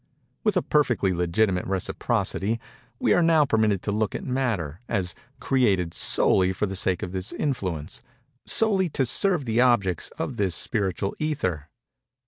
With a perfectly legitimate reciprocity, we are now permitted to look at Matter, as created solely for the sake of this influence—solely to serve the objects of this spiritual Ether.